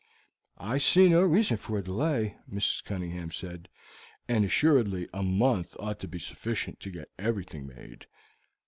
"I see no reason for delay," Mrs. Cunningham said; "and assuredly a month ought to be sufficient to get everything made."